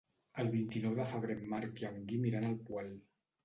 El vint-i-nou de febrer en Marc i en Guim iran al Poal.